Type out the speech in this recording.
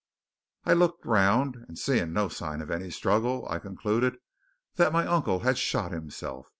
"'"I looked round, and seeing no sign of any struggle, I concluded that my uncle had shot himself.